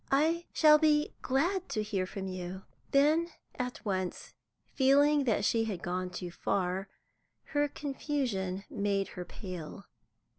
I shall be glad to hear from you." Then, at once feeling that she had gone too far, her confusion made her pale.